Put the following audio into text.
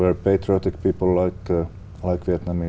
về hà nội không